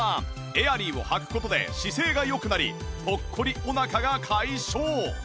エアリーをはく事で姿勢が良くなりポッコリお腹が解消